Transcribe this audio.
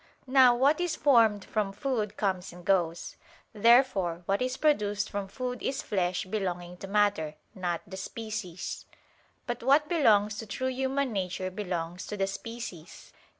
Now what is formed from food comes and goes. Therefore what is produced from food is flesh belonging to matter, not to the species. But what belongs to true human nature belongs to the species.